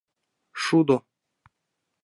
Шудо